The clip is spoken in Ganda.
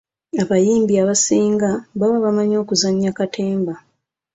Abayimbi abasinga baba bamanyi okuzannya katemba.